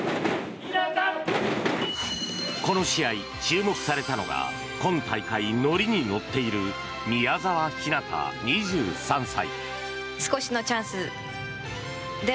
この試合、注目されたのが今大会、乗りに乗っている宮澤ひなた、２３歳。